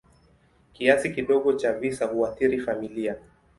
Kiasi kidogo cha visa huathiri familia.